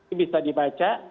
ini bisa dibaca